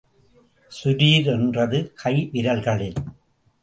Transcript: சுரீர் என்றது கை விரல்களில்.